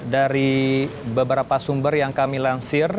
dari beberapa sumber yang kami lansir